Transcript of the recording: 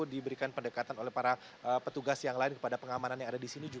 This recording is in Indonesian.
diberikan pendekatan oleh para petugas yang lain kepada pengamanan yang ada di sini